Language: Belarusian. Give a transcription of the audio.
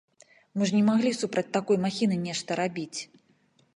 Мы ж не маглі супраць такой махіны нешта рабіць.